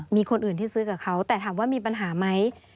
มีคนอื่นที่ซื้อกับเขาแต่ถามว่ามีปัญหาไหม